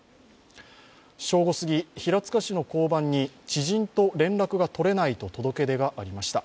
正午すぎ、平塚市の交番に知人と連絡がとれないと届け出がありました。